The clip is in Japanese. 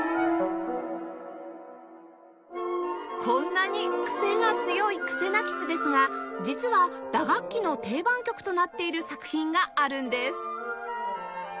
こんなにクセが強いクセナキスですが実は打楽器の定番曲となっている作品があるんです